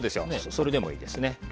それでもいいですね。